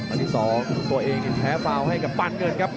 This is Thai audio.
อันที่๒ตัวเองแท้เฟ้าให้กับปันเงินครับ